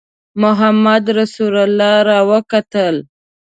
محمدرسول را وکتل.